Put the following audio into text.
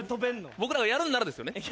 僕らがやるんならですよね。